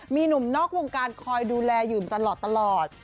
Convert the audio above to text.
มีหนุ่มนอกวงการคอยดูแลอยู่ตลอด